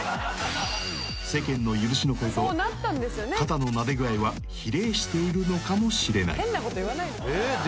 ［世間の許しの声と肩のなで具合は比例しているのかもしれない］